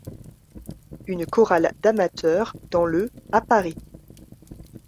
Une chorale d'amateurs dans le à Paris.